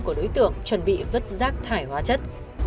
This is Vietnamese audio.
của đối tượng chuẩn bị vứt rác thải hóa chất